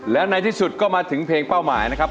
แล้วในที่สุดก็มาถึงเพลงเป้าหมายนะครับ